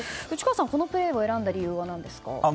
このプレーを選んだ理由は何ですか？